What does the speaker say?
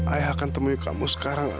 ayah akan temui kamu sekarang